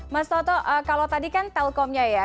mas toto kalau tadi kan telkomnya ya